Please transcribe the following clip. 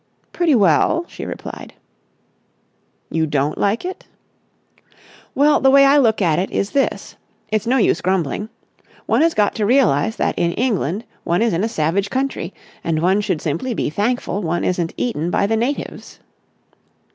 "Pretty well," she replied. "You don't like it?" "Well, the way I look at it is this. It's no use grumbling. One has got to realise that in England one is in a savage country, and one should simply be thankful one isn't eaten by the natives."